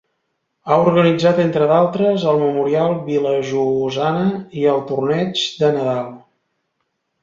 Ha organitzat, entre d'altres, el Memorial Vilajosana i el Torneig de Nadal.